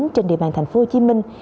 trên địa bàn thành phố hồ chí minh